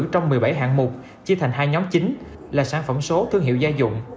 trong một mươi bảy hạng mục chia thành hai nhóm chính là sản phẩm số thương hiệu gia dụng